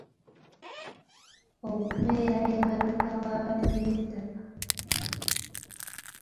Okubeera emabega w’ababbi b’ettaka.